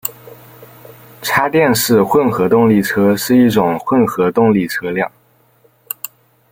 插电式混合动力车是一种混合动力车辆。